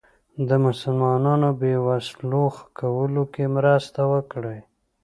د مسلمانانو بې وسلو کولو کې مرسته وکړي.